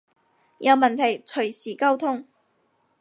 有問題隨時溝通